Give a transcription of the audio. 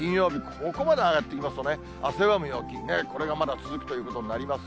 ここまで上がってきますとね、汗ばむ陽気に、これがまだ続くということになります。